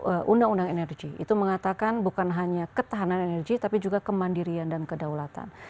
untuk undang undang energi itu mengatakan bukan hanya ketahanan energi tapi juga kemandirian dan kedaulatan